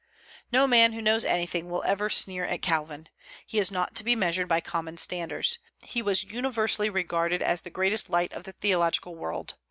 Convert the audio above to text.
No man who knows anything will ever sneer at Calvin. He is not to be measured by common standards. He was universally regarded as the greatest light of the theological world.